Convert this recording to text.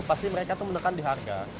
pasti mereka tuh menekan di harga